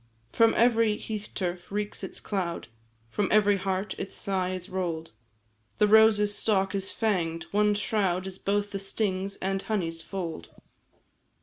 "From every hearth turf reeks its cloud, From every heart its sigh is roll'd; The rose's stalk is fang'd one shroud Is both the sting's and honey's fold.